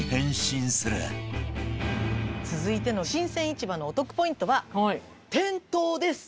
続いての新鮮市場のお得ポイントは店頭です。